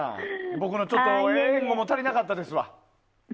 僕の援護も足りなかったですわ。